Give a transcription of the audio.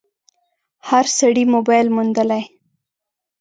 هر سړي موبایل موندلی